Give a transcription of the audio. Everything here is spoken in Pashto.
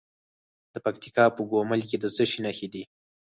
د پکتیکا په ګومل کې د څه شي نښې دي؟